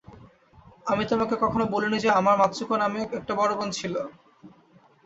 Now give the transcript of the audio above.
আমি তোমাকে কখনো বলিনি যে আমার মাতসুকো নামে একটা বড় বোন ছিল।